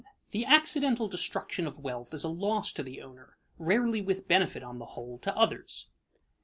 _The accidental destruction of wealth is a loss to the owner, rarely with benefit, on the whole, to others.